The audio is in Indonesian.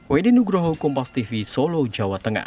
weddi nugroho kompas tv solo jawa tengah